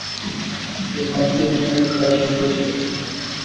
এই হাত দিয়েই মনের খায়েশ মিটিয়েছিলি না?